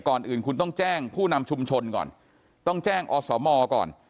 ก่อนอื่นคุณต้องแจ้งผู้นำชุมชนก่อนต้องแจ้งอสมก่อน